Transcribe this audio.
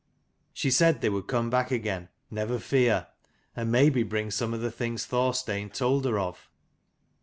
She said they would come back again, never fear: and maybe bring some of the things Thorstein told her of.